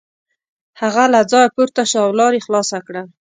هغه له ځایه پورته شو او لار یې خلاصه کړه.